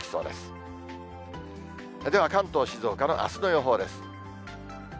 では関東、静岡のあすの予報です。